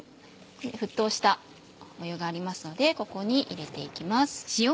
沸騰した湯がありますのでここに入れて行きます。